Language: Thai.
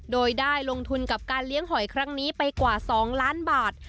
โดยได้ลงทุนกับการเลี้ยงหอยครั้งนี้ไปกว่า๒ล้านบาท